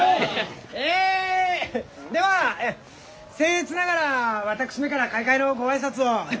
えではええせん越ながら私めから開会のご挨拶を。